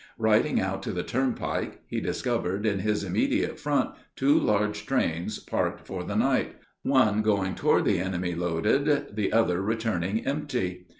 Riding out to the turnpike, he discovered in his immediate front two large trains parked for the night one going toward the army loaded, the other returning empty.